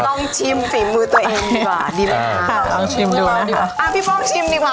ต้องชิมฝีมือตัวเองดีกว่าดีแหละค่ะเอาชิมดูนะค่ะอ้าวพี่ป้องชิมดีกว่า